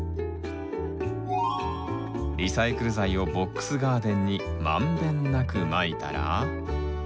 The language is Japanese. リサイクル材をボックスガーデンに満遍なくまいたら。